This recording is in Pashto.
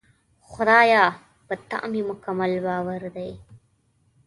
خدایه! په تا مې مکمل باور دی.